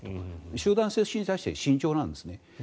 集団接種に対しては慎重なんですね。